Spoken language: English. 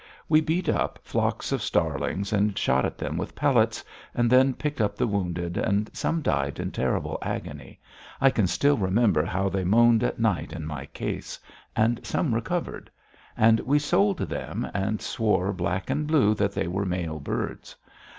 We beat up flocks of starlings and shot at them with pellets, and then picked up the wounded, and some died in terrible agony I can still remember how they moaned at night in my case and some recovered. And we sold them, and swore black and blue that they were male birds.